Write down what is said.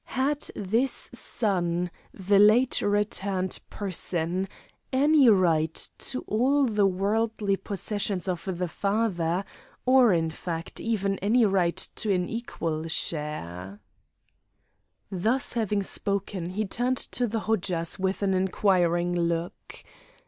Had this son, the late returned person, any right to all the worldly possessions of the father, or, in fact, even any right to an equal share?" Thus having spoken he turned to the Hodjas with an inquiring look.